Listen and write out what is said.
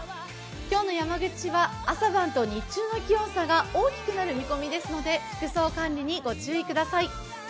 今日の山口市は朝晩と日中の気温差が大きくなる見込みですので、服装管理にご注意ください。